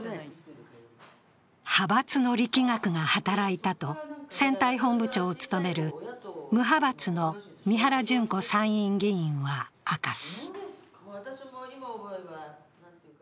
派閥の力学が働いたと選対本部長を務める、無派閥の三原じゅん子参院議員は明かす。